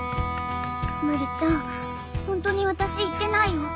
まるちゃんホントに私言ってないよ。